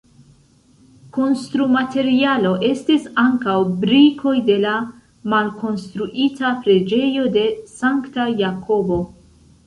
Konstrumaterialo estis ankaŭ brikoj de la malkonstruita Preĝejo de Sankta Jakobo.